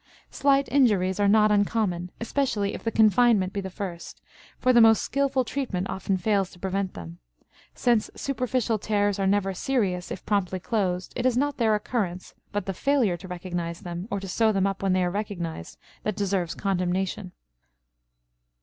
Slight injuries are not uncommon, especially if the confinement be the first, for the most skillful treatment often fails to prevent them. Since superficial tears are never serious if promptly closed, it is not their occurrence, but the failure to recognize them, or to sew them up when they are recognized, that deserves condemnation.